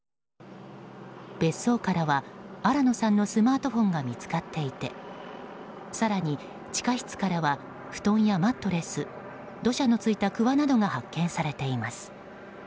別荘からは新野さんのスマートフォンが見つかっていて更に地下室からは布団やマットレス土砂のついた、くわなどが発見されています。